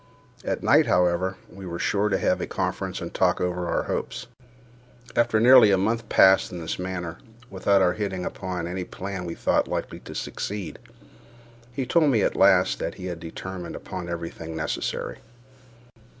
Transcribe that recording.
At night, however, we were sure to have a conference and talk over our hopes. After nearly a month passed in this manner, without our hitting upon any plan we thought likely to succeed, he told me at last that he had determined upon everything necessary.